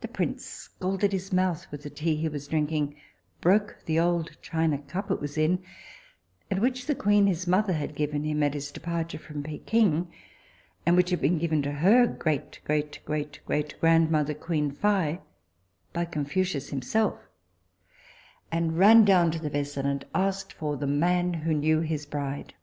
The prince scalded his mouth with the tea he was drinking, broke the old china cup it was in, and which the queen his mother had given him at his departure from Pekin, and which had been given to her great great great great grandmother queen Fi by Confucius himself, and ran down to the vessel and asked for the man who knew his bride.